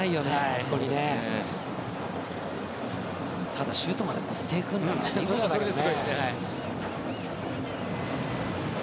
ただシュートまで持っていくから見事だよね。